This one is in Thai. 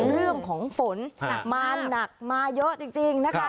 เรื่องของฝนมาหนักมาเยอะจริงนะคะ